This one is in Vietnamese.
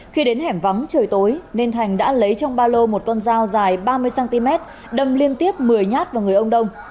khi đến hẻm vắng trời tối nên thành đã lấy trong ba lô một con dao dài ba mươi cm đâm liên tiếp một mươi nhát vào người ông đông